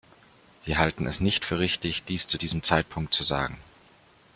Wir halten es nicht für richtig, dies zu diesem Zeitpunkt zu sagen.